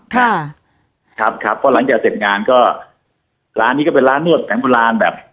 ครับครับเพราะหลังจากเสร็จงานก็ร้านนี้ก็เป็นร้านนวดแผนโบราณแบบ